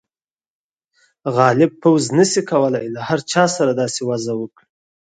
غالب پوځ نه شي کولای له هر چا سره داسې وضعه وکړي.